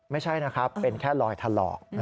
ไม่ใช่นะครับเป็นแค่ลอยถลอก